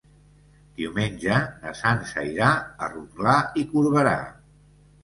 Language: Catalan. Diumenge na Sança irà a Rotglà i Corberà.